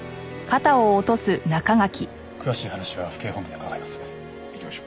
詳しい話は府警本部で伺います。